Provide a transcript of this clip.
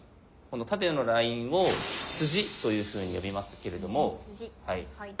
この縦のラインを「筋」というふうに呼びますけれども。